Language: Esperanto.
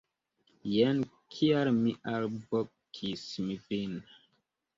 Jen kial mi alvokis vin.